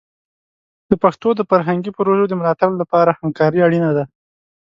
د پښتو د فرهنګي پروژو د ملاتړ لپاره همکاري اړینه ده.